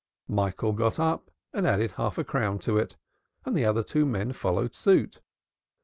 Michael got up and added half a crown to it, and the other two men followed suit.